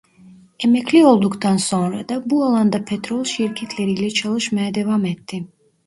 Emekli olduktan sonra da bu alanda petrol şirketleriyle çalışmaya devam etti.